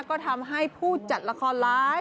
ก็ทำให้ผู้จัดละครร้าย